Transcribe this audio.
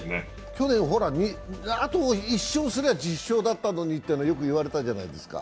去年、あと１勝すれば１０勝だったのにというのはよく言われたじゃないですか。